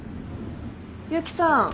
悠木さん。